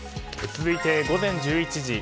続いて午前１１時。